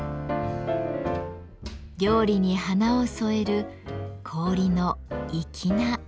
料理に華を添える氷の粋な演出です。